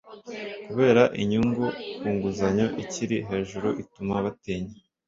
kubera inyungu ku nguzanyo ikiri hejuru ituma batinya